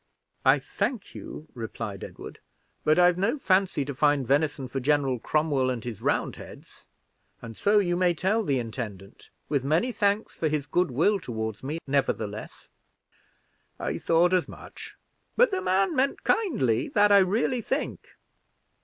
"I thank you," replied Edward, "but I've no fancy to find venison for General Cromwell and his Roundheads; and so, you may tell the intendant, with many thanks for his good will toward me, nevertheless." "I thought as much, but the man meant kindly, that I really think.